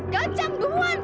ganjang bu wan